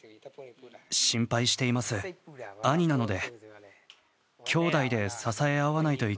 心配しています、兄なので。